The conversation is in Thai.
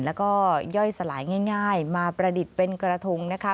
แล้วก็ย่อยสลายง่ายมาประดิษฐ์เป็นกระทงนะคะ